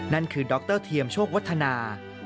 นั่นคือดรเทียมโชควัฒนา